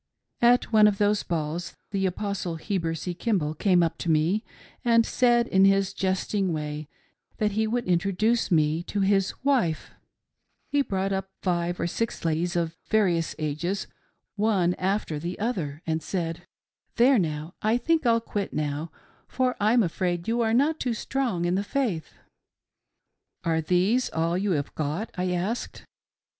At one of those balls the Apostle Heber C. Kimball came up to me and said in his jesting way that he would introduce me to his wife. He brought up five or six ladies of various ages, one after the other, and said :" There now, I think I'll quit now, for I'm afraid you're not too strong in the faith." A MODEL SAINT. 385 " Are these all you have got ?" I asked.